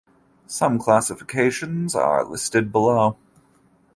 Some classifications are listed below.